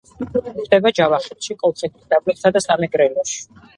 გვხვდება ჯავახეთში, კოლხეთის დაბლობსა და სამეგრელოში.